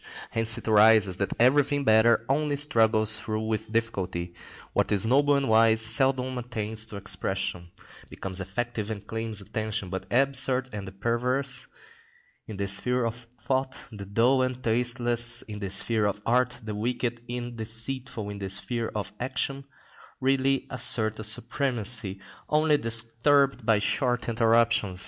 Hence it arises that everything better only struggles through with difficulty; what is noble and wise seldom attains to expression, becomes effective and claims attention, but the absurd and the perverse in the sphere of thought, the dull and tasteless in the sphere of art, the wicked and deceitful in the sphere of action, really assert a supremacy, only disturbed by short interruptions.